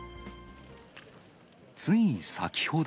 つい先ほど。